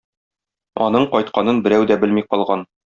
Аның кайтканын берәү дә белми калган.